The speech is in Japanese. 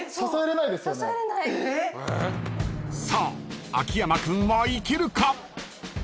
［さあ秋山君はいけるか？］